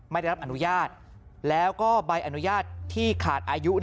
ไม่ได้รับอนุญาตแล้วก็ใบอนุญาตที่ขาดอายุ